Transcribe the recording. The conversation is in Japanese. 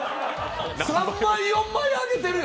３枚、４枚あげてるよ。